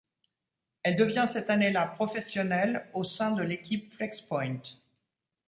Elle devient cette année-là professionnelle au sein de l'équipe Flexpoint.